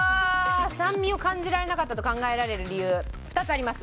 酸味を感じられなかったと考えられる理由２つあります。